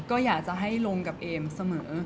ก็อยากจะให้ลงกับเอมเสมอ